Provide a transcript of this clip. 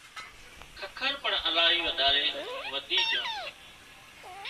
ککر پڻ الاهي وڌاري وڌِي جھان